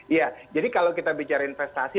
iya jadi kalau kita bicara investasi